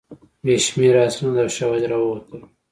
بې شمېره اسناد او شواهد راووتل.